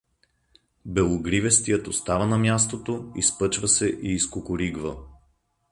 Белогривестият остава на мястото, иэпъчва се и изкукуригва.